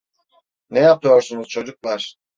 Ne yapıyorsunuz çocuklar?